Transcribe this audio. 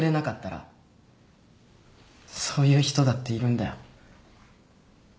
そういう人だっているんだよ。